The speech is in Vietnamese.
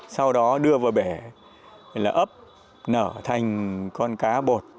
sau đó đưa vào bể là ấp nở thành con cá bột